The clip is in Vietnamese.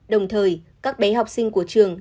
đồng thời các bé học sinh của trường